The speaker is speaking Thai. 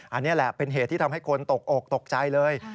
อันนี้แหละเป็นเหตุที่ทำให้คนตกอกตกใจเลย